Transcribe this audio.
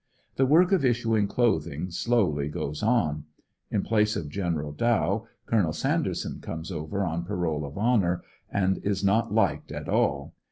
The work of issuing clothing slowly goes on. In place of Gen. Dow, Col. {Sanderson comes over on parole of honor; and is not liked at all.